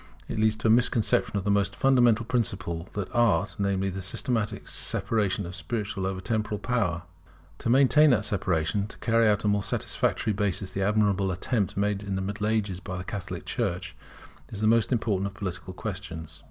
It leads to a misconception of the most fundamental principle of that Art, namely, the systematic separation of spiritual and temporal power. To maintain that separation, to carry out on a more satisfactory basis the admirable attempt made in the Middle Ages by the Catholic Church, is the most important of political questions.